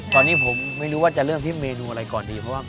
ตอนนี้ผมไม่รู้ว่าจะเริ่มที่เมนูอะไรก่อนดีเพราะว่า